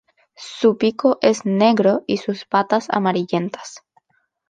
Su pico es negro y sus patas amarillentas.